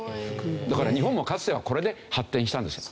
だから日本もかつてはこれで発展したんですよ。